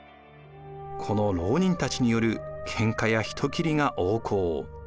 この牢人たちによるけんかや人斬りが横行。